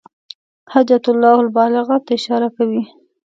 حجة الله البالغة ته اشاره کوي.